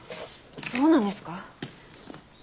そうなんですか。